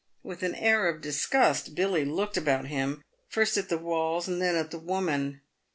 With an air of disgust Billy looked about him, first at the walls, and then at the woman.